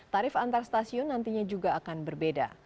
tarif antar stasiun nantinya juga akan berbeda